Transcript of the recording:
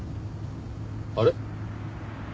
あれ？